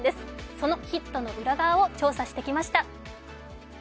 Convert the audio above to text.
そのヒットの裏側を調査してきました。